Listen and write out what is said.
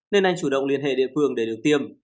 nên anh chủ động liên hệ địa phương để được tiêm